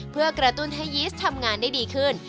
เพื่อกระตุ้นให้ยีสทำงานได้ดีขึ้น